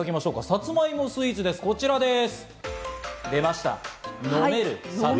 サツマイモスイーツです、こちらです。